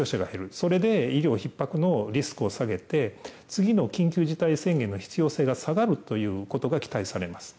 それで医療ひっ迫のリスクを下げて、次の緊急事態宣言の必要性が下がるということが期待されます。